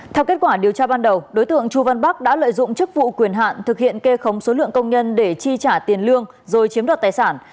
theo kết quả điều tra ban đầu đối tượng chu văn bắc đã lợi dụng chức vụ quyền hạn thực hiện kê khống số lượng công nhân để chi trả tiền lương rồi chiếm đoạt tài sản